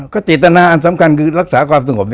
เจตนาอันสำคัญคือรักษาความสงบ